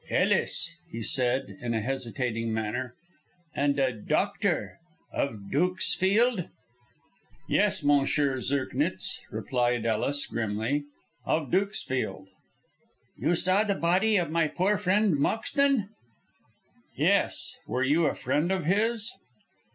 "Ellis!" he said, in a hesitating manner, "and a doctor of Dukesfield?" "Yes, M. Zirknitz," replied Ellis, grimly, "of Dukesfield." "You saw the body of my poor friend Moxton?" "Yes. Were you a friend of his?"